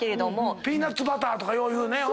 ピーナツバターとかよう言うね。